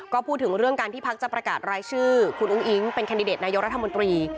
ก็พูดถึงเรื่องการที่พักจะประกาศรายชื่อคุณอุ้งอิ๊งเป็นแคนดิเดตนายกรัฐมนตรี